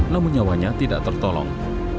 namun nyawanya tidak tertolong